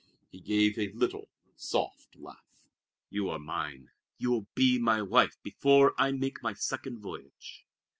He gave a little, soft laugh. "You are mine! You will be my wife before I make my second voyage."